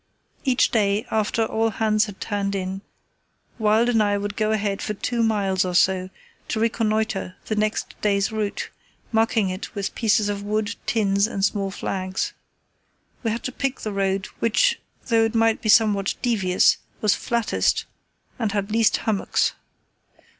Each day, after all hands had turned in, Wild and I would go ahead for two miles or so to reconnoitre the next day's route, marking it with pieces of wood, tins, and small flags. We had to pick the road which though it might be somewhat devious, was flattest and had least hummocks.